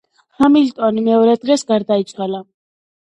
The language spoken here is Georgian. ჰამილტონი მეორე დღეს გარდაიცვალა.